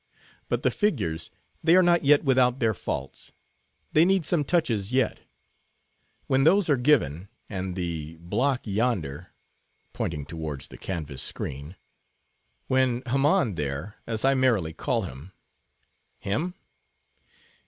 "But the figures, they are not yet without their faults. They need some touches yet. When those are given, and the—block yonder," pointing towards the canvas screen, "when Haman there, as I merrily call him,—him?